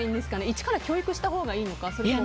一から教育したほうがいいのか。